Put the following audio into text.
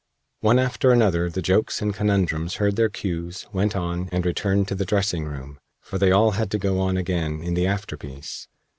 One after another the Jokes and Conundrums heard their cues, went on, and returned to the dressing room, for they all had to go on again in the after piece.